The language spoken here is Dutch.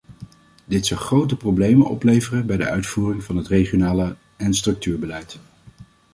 Dit zou grote problemen opleveren bij de uitvoering van het regionale en structuurbeleid.